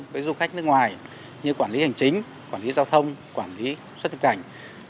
với du khách nước ngoài như quản lý hành chính quản lý giao thông quản lý xuất nhập cảnh